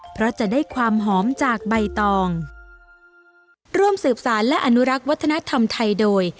เพราะจะได้ความหอมจากใบตองร่วมสืบสารและอนุรักษ์วัฒนธรรมไทยโดย